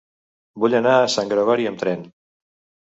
Vull anar a Sant Gregori amb tren.